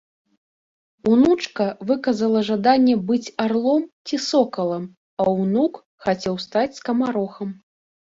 Унучка выказала жаданне быць арлом ці сокалам, а ўнук хацеў стаць скамарохам.